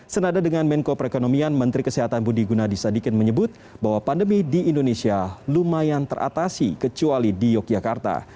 senada dengan menko perekonomian menteri kesehatan budi gunadisadikin menyebut bahwa pandemi di indonesia lumayan teratasi kecuali di yogyakarta